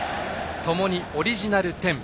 ともにオリジナル１０。